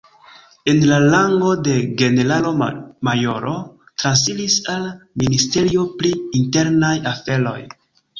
En la rango de generalo-majoro transiris al Ministerio pri Internaj Aferoj.